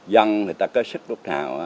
dân người ta có sức lúc nào